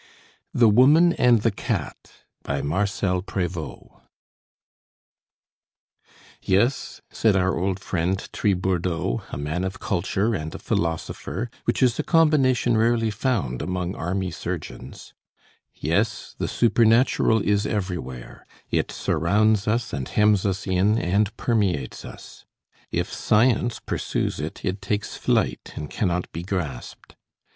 THE WOMAN AND THE CAT BY MARCEL PREVOST "Yes," said our old friend Tribourdeaux, a man of culture and a philosopher, which is a combination rarely found among army surgeons; "yes, the supernatural is everywhere; it surrounds us and hems us in and permeates us. If science pursues it, it takes flight and cannot be grasped.